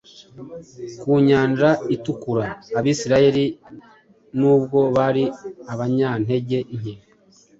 Ku Nyanja itukura, Abisirayeli nubwo bari abanyantege nke,